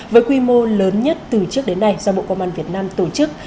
với quy mô lớn nhất từ trước đến nay do bộ công an việt nam tổ chức